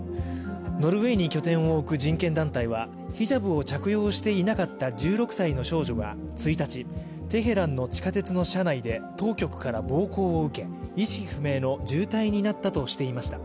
ノルウェーに拠点を置く人件団体はヒジャブを着用していなかった１６歳の少女が１日、テヘランの地下鉄の車内で当局から暴行を受け意識不明の重体になったとしていました。